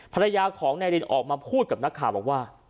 ภรรยาของนายรินออกมาพูดกับนักข่าวบอกว่า